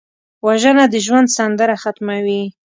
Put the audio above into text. وژنه د ژوند سندره ختموي